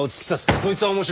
そいつは面白い。